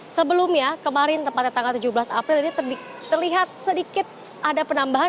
sebelumnya kemarin tepatnya tanggal tujuh belas april ini terlihat sedikit ada penambahan